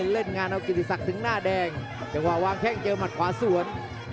เล่นงานเอากิติศักดิ์ถึงหน้าแดงจังหวะวางแข้งเจอหมัดขวาสวน